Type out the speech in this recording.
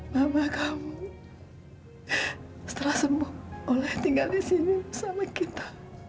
mama kamu setelah sembuh oleh tinggal di sini sama kita